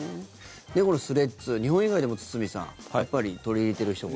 このスレッズ、日本以外でも堤さん、取り入れている人が。